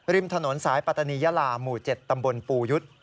ริมถนนสายปัตตานียาลาหมู่๗ตำบลปูยุทธ์